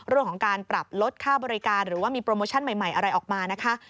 เรื่องของการปรับลดค่าบริการหรือว่ามีโปรโมชั่นใหม่อะไรออกมานะคะ